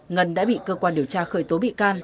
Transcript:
ngân đã bị cơ quan điều tra khởi tố bị can